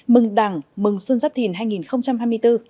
mừng đảng mừng xuân giáp thìn hai nghìn hai mươi bốn